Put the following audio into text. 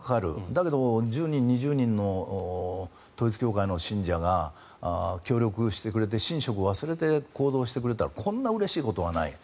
だけど１０人、２０人の統一教会の信者が協力してくれて寝食を忘れて行動してくれたらこんなにうれしいことはない。